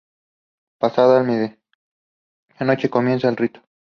Pasada la medianoche comienza el rito.